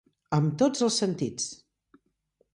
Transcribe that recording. Amb tots els sentits.